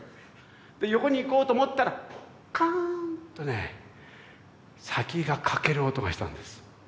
で横に行こうと思ったらカーンとね先が欠ける音がしたんです。